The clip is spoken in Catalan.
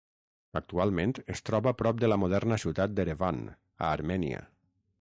Actualment es troba prop de la moderna ciutat d'Erevan, a Armènia.